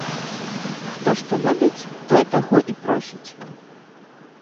Хто што любіць, той таго і просіць.